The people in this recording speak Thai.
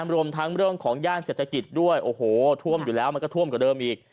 รวมทั้งเรื่องของย่านเศรษฐกิจด้วยโอ้โหท่วมอยู่แล้วมันก็ท่วมกว่าเดิมอีก